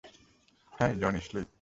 Hey, Johnny slick!